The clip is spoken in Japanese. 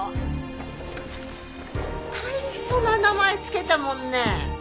大層な名前つけたもんね。